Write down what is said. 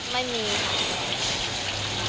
ไม่มีครับ